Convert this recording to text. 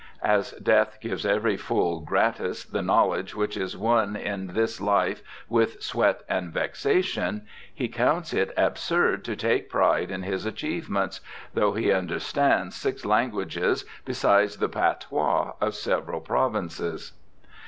As death gives every fool gratis the knowledge which is won in this life with sweat and vexation, he counts it absurd to take pride in his achievements, though he understands six languages besides the patois of several provinces.